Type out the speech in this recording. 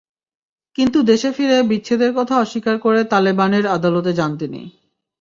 কিন্তু দেশে ফিরে বিচ্ছেদের কথা অস্বীকার করে তালেবানের আদালতে যান তিনি।